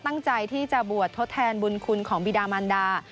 ตั้งใจที่จะบวชทดแทนบุญคุณของบิดามันดา